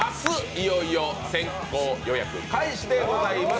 いよいよ先行予約開始でございます。